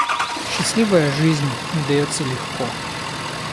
Счастливая жизнь не дается легко.